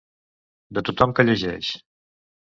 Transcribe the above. De tothom que llegeix.